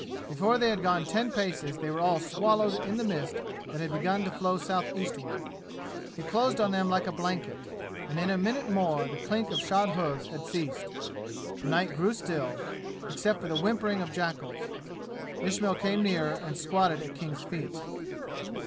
Before they had gone ten paces they were all swallowed in the mist that had begun to flow southeastward; it closed on them like a blanket, and in a minute more the clink of shod hooves had ceased. The night grew still, except for the whimpering of jackals. Ismail came nearer and squatted at King's feet.